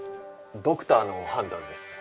ドクターの判断です。